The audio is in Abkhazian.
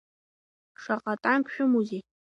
Шаҟа танк шәымоузеи?